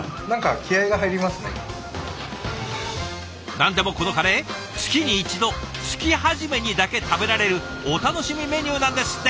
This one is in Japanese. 何でもこのカレー月に一度月初めにだけ食べられるお楽しみメニューなんですって。